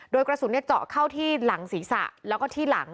โดยกระสุนเจาะเข้าที่หลังศีรษะแล้วก็ที่หลัง